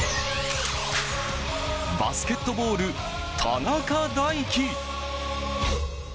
バスケットボール、田中大貴。